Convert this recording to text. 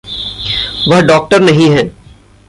वह डॉक्टर नहीं है।